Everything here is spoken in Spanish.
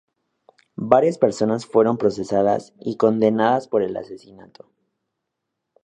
Varias personas fueron procesadas y condenadas por el asesinato.